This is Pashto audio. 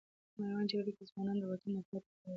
میوند جګړې کې ځوانان د وطن دفاع ته تیار دي.